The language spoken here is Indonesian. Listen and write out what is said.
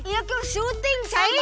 iya ke syuting cai